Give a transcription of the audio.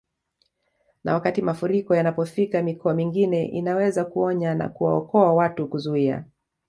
Na wakati mafuriko yanapofika mikoa mingine inaweza kuonya na kuwaokoa watu kuzuia